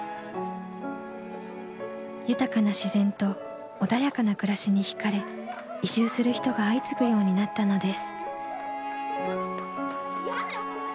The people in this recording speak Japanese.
豊かな自然と穏やかな暮らしにひかれ移住する人が相次ぐようになったのです。